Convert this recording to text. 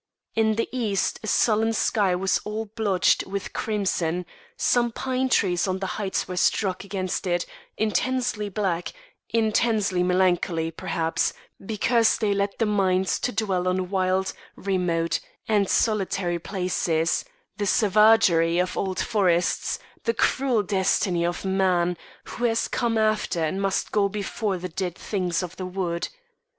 In the east a sullen sky was all blotched with crimson, some pine trees on the heights were struck against it, intensely black, intensely melancholy, perhaps because they led the mind to dwell on wild, remote, and solitary places, the savagery of old forests, the cruel destiny of man, who has come after and must go before the dead things of the wood.